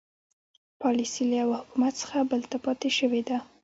پالیسي له یوه حکومت څخه بل ته پاتې شوې ده.